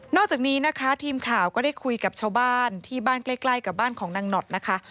อกจากนี้นะคะทีมข่าวก็ได้คุยกับชาวบ้านที่บ้านใกล้กับบ้านของนางหนอดนะคะ